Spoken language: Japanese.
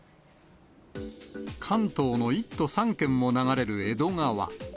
関東の１都３県を流れる江戸川。